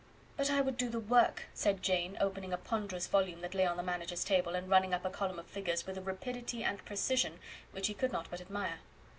"But I would do the work," said Jane, opening a ponderous volume that lay on the manager's table, and running up a column of figures with a rapidity and precision which he could not but admire.